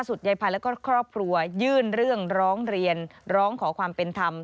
ยายพันธ์แล้วก็ครอบครัวยื่นเรื่องร้องเรียนร้องขอความเป็นธรรม